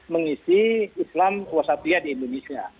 mengisi islam wasatiyah di indonesia